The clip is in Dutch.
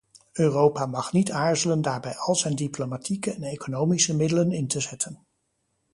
Europa mag niet aarzelen daarbij al zijn diplomatieke en economische middelen in te zetten.